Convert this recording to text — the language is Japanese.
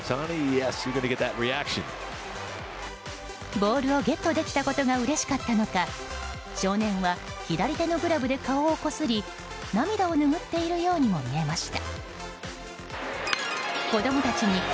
ボールをゲットできたことがうれしかったのか少年は左手のグラブで顔をこすり涙を拭っているようにも見えました。